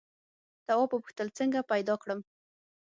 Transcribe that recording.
تواب وپوښتل څنګه پیدا کړم.